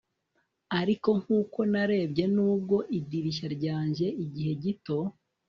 ariko nkuko narebye nubwo idirishya ryanjye igihe gito